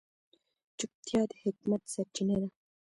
چوپتیا، د حکمت سرچینه ده.